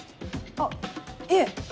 あっいえ。